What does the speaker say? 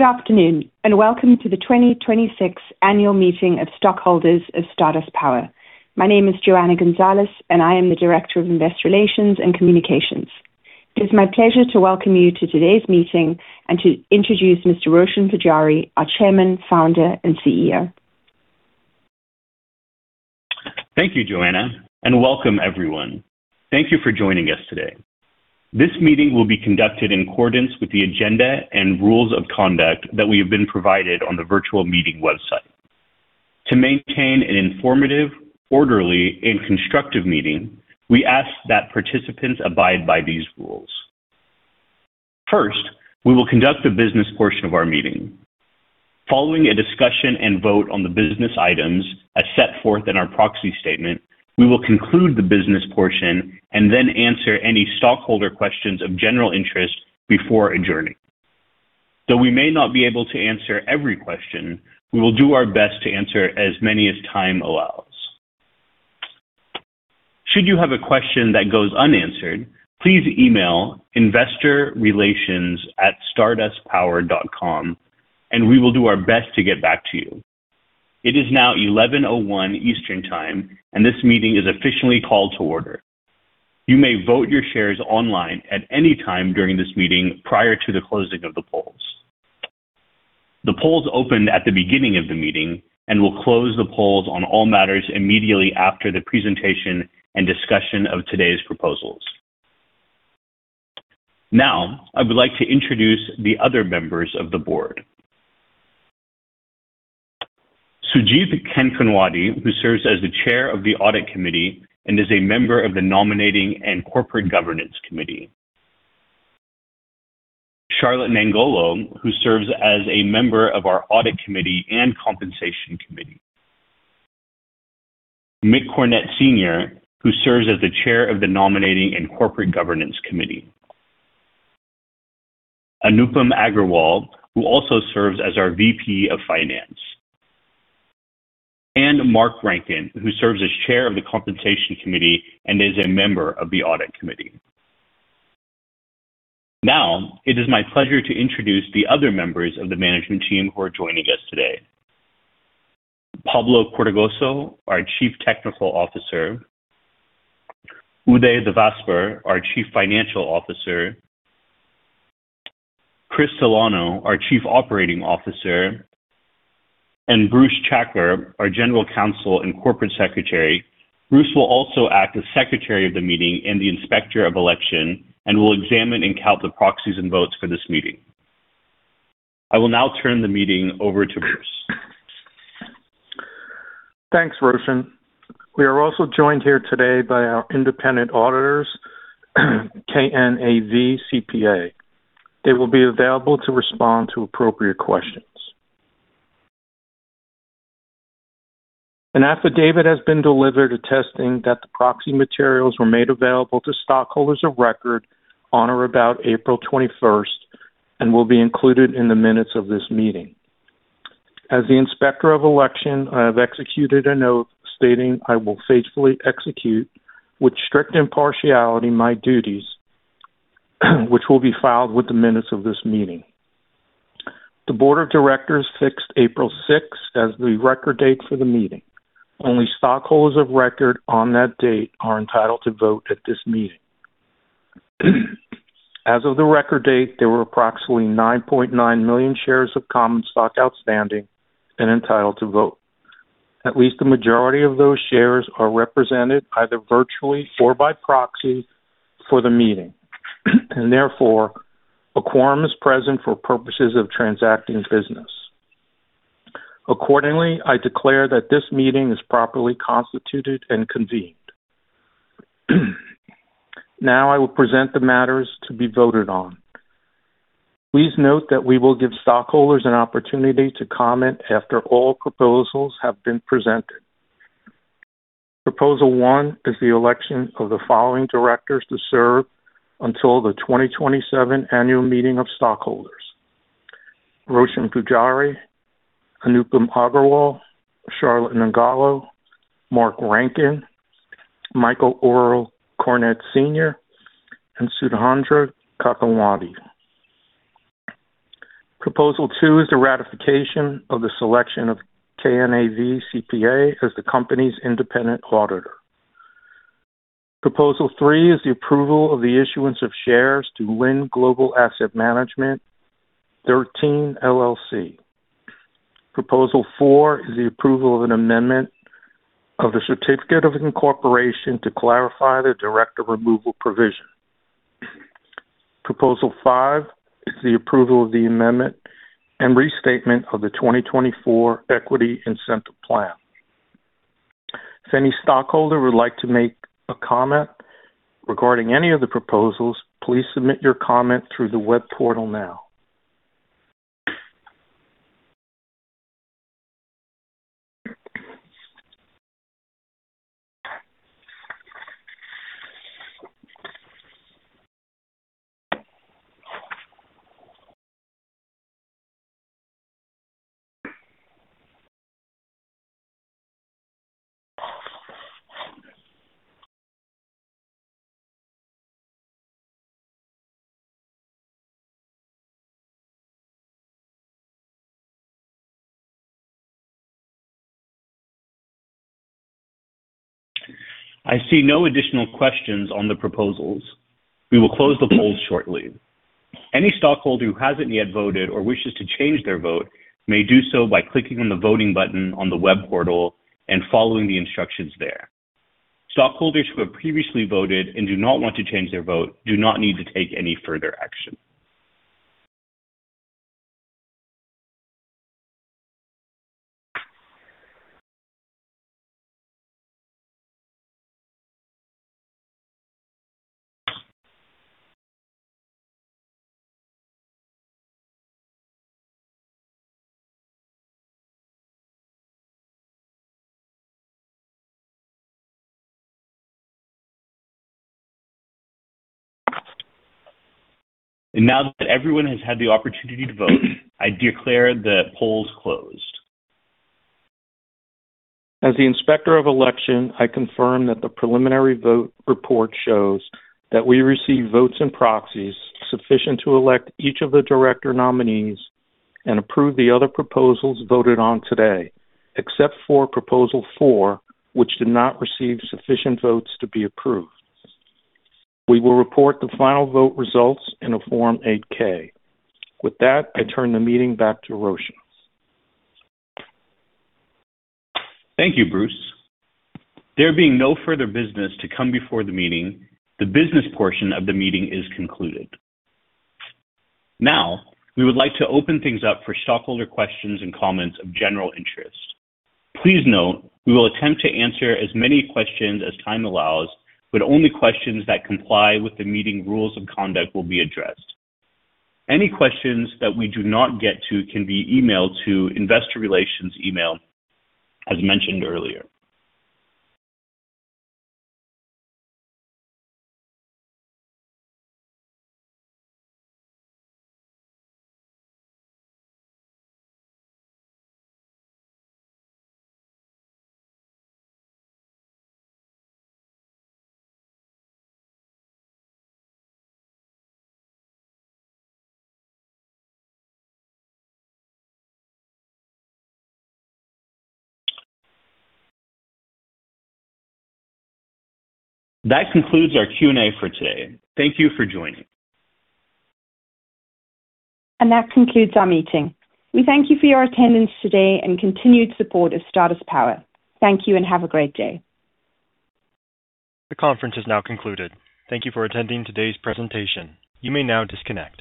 Good afternoon, and welcome to the 2026 annual meeting of stockholders of Stardust Power. My name is Johanna Gonzalez, and I am the Director of Investor Relations and Communications. It is my pleasure to welcome you to today's meeting and to introduce Mr. Roshan Pujari, our Chairman, Founder, and CEO. Thank you, Johanna, and welcome everyone. Thank you for joining us today. This meeting will be conducted in accordance with the agenda and rules of conduct that we have been provided on the virtual meeting website. To maintain an informative, orderly, and constructive meeting, we ask that participants abide by these rules. First, we will conduct the business portion of our meeting. Following a discussion and vote on the business items as set forth in our proxy statement, we will conclude the business portion and answer any stockholder questions of general interest before adjourning. Though we may not be able to answer every question, we will do our best to answer as many as time allows. Should you have a question that goes unanswered, please email investorrelations@stardustpower.com we will do our best to get back to you. It is now 11:01 A.M. Eastern Time, and this meeting is officially called to order. You may vote your shares online at any time during this meeting prior to the closing of the polls. The polls opened at the beginning of the meeting and will close the polls on all matters immediately after the presentation and discussion of today's proposals. Now, I would like to introduce the other members of the board. Sudhindra Kankanwadi, who serves as the Chair of the Audit Committee and is a member of the Nominating and Corporate Governance Committee. Charlotte Nangolo, who serves as a member of our Audit Committee and Compensation Committee. Michael Cornett Senior, who serves as the Chair of the Nominating and Corporate Governance Committee. Anupam Agarwal, who also serves as our VP of Finance. Mark Rankin, who serves as Chair of the Compensation Committee and is a member of the Audit Committee. Now, it is my pleasure to introduce the other members of the management team who are joining us today. Pablo Cortegoso, our Chief Technical Officer. Uday Devasper, our Chief Financial Officer. Chris Celano, our Chief Operating Officer. Bruce Czachor, our General Counsel and Corporate Secretary. Bruce will also act as Secretary of the Meeting and the Inspector of Election and will examine and count the proxies and votes for this meeting. I will now turn the meeting over to Bruce. Thanks, Roshan. We are also joined here today by our independent auditors, KNAV CPA. They will be available to respond to appropriate questions. An affidavit has been delivered attesting that the proxy materials were made available to stockholders of record on or about April 21st and will be included in the minutes of this meeting. As the Inspector of Election, I have executed a note stating I will faithfully execute with strict impartiality my duties, which will be filed with the minutes of this meeting. The Board of Directors fixed April 6th as the record date for the meeting. Only stockholders of record on that date are entitled to vote at this meeting. As of the record date, there were approximately 9.9 million shares of common stock outstanding and entitled to vote. At least the majority of those shares are represented either virtually or by proxy for the meeting. Therefore, a quorum is present for purposes of transacting business. Accordingly, I declare that this meeting is properly constituted and convened. I will present the matters to be voted on. Please note that we will give stockholders an opportunity to comment after all proposals have been presented. Proposal one is the election of the following directors to serve until the 2027 annual meeting of stockholders. Roshan Pujari, Anupam Agarwal, Charlotte Nangolo, Mark Rankin, Michael Earl Cornett Sr., and Sudhindra Kankanwadi. Proposal two is the ratification of the selection of KNAV CPA as the company's independent auditor. Proposal three is the approval of the issuance of shares to Lind Global Asset Management XIII LLC. Proposal four is the approval of an amendment of the certificate of incorporation to clarify the director removal provision. Proposal five is the approval of the amendment and restatement of the 2024 Equity Incentive Plan. If any stockholder would like to make a comment regarding any of the proposals, please submit your comment through the web portal now. I see no additional questions on the proposals. We will close the polls shortly. Any stockholder who hasn't yet voted or wishes to change their vote may do so by clicking on the voting button on the web portal and following the instructions there. Stockholders who have previously voted and do not want to change their vote do not need to take any further action. Now that everyone has had the opportunity to vote, I declare the polls closed. As the Inspector of Election, I confirm that the preliminary vote report shows that we received votes and proxies sufficient to elect each of the director nominees and approve the other proposals voted on today, except for proposal four, which did not receive sufficient votes to be approved. We will report the final vote results in a Form 8-K. With that, I turn the meeting back to Roshan. Thank you, Bruce. There being no further business to come before the meeting, the business portion of the meeting is concluded. Now, we would like to open things up for stockholder questions and comments of general interest. Please note we will attempt to answer as many questions as time allows, but only questions that comply with the meeting rules of conduct will be addressed. Any questions that we do not get to can be emailed to Investor Relations email, as mentioned earlier. That concludes our Q&A for today. Thank you for joining. That concludes our meeting. We thank you for your attendance today and continued support of Stardust Power. Thank you and have a great day. The conference is now concluded. Thank you for attending today's presentation. You may now disconnect.